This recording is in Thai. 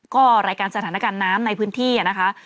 ก็รายการสถานการณ์น้ำในพื้นที่นะคะ